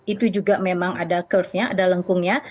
itu juga memang ada curve nya ada lengkungnya